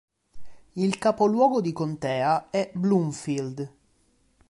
Il capoluogo di contea è Bloomfield.